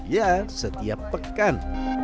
ya setiap pekan